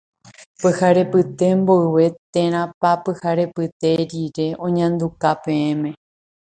Pyharepyte mboyve térãpa pyharepyte rire oñanduka peẽme.